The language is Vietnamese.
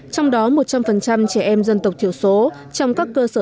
trong đó một trăm linh trẻ em dân tộc thiểu số trong các cơ sở